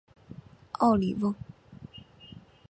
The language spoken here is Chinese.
奥里翁。